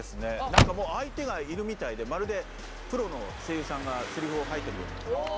何か相手がいるみたいでまるでプロの声優さんがセリフを吐いてるように聞こえました。